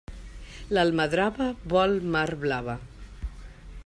L'almadrava vol mar blava.